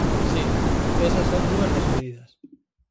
Si, esas son dúas das medidas.